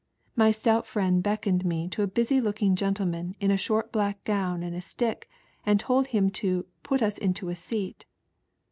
My Btont Mend beckoned to a busy looking gentle man in a short black gown and a stick, and told him to " put us into a seat."